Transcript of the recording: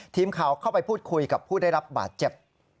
ทีมข่าวเข้าไปพูดคุยกับผู้ได้รับบาดเจ็บ